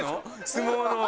相撲の。